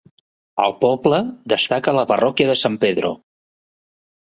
Al poble destaca la parròquia de San Pedro.